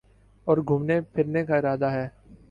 اور گھومنے پھرنے کا ارادہ ہے